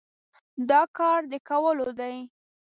دا کار د کولو دی؟